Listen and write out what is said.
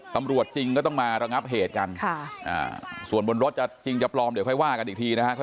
ตำรวจจริงก็ต้องมาระงับเหตุกันส่วนบนรถจะจริงจะปลอมเดี๋ยวค่อยว่ากันอีกทีนะครับ